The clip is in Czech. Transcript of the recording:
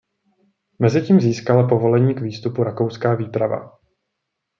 Mezitím získala povolení k výstupu rakouská výprava.